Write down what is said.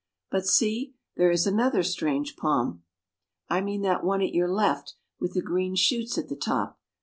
But see, there is another strange palm. I mean that one at your left, with the green shoots at the top.